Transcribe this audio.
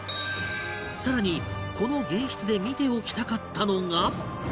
さらにこの玄室で見ておきたかったのが